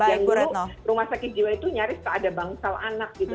yang dulu rumah sakit jiwa itu nyaris tak ada bangsal anak gitu